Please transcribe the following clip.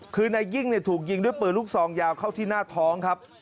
คือนายยิ่งถูกยิงด้วยปืนลูกซองยาวเข้าที่หน้าท้องครับ